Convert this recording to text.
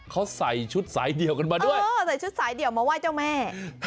เขาใส่ชุดสายเดียวกันมาด้วยเออใส่ชุดสายเดี่ยวมาไหว้เจ้าแม่